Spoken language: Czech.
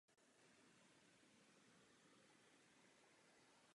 Čísla udávající počty nezaměstnaných mladých lidí nás nemohou nechat lhostejnými.